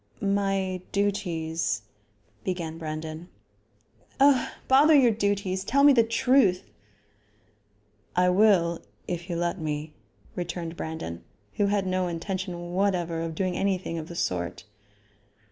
"My duties ," began Brandon. "Oh! bother your duties. Tell me the truth." "I will, if you let me," returned Brandon, who had no intention whatever of doing anything of the sort.